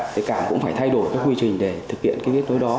tất cả cũng phải thay đổi các quy trình để thực hiện cái kết nối đó